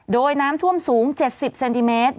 โดยน้ำท่วมสูง๗๐เซนติเมตร